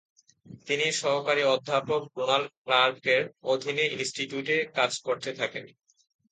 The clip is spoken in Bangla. তিনি সহকারী অধ্যাপক ডোনাল্ড ক্লার্কের অধীনে ইনস্টিটিউটে কাজ করতে থাকেন।